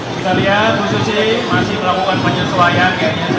kita lihat bu susi masih melakukan penyesuaian